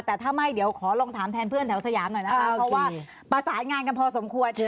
แต่ถ้าไม่เดี๋ยวขอลองถามแทนเพื่อนแถวสยามหน่อยนะคะเพราะว่าประสานงานกันพอสมควร